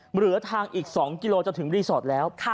เหลือทางอีก๒กิโลจะถึงรีสอร์ทแล้ว